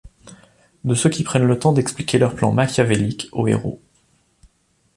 De ceux qui prennent le temps d'expliquer leur plan machiavélique au héros.